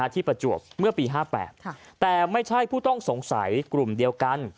ประจวบเมื่อปี๕๘แต่ไม่ใช่ผู้ต้องสงสัยกลุ่มเดียวกัน